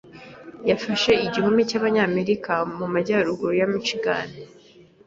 Bafashe igihome cyabanyamerika mumajyaruguru ya Michigan.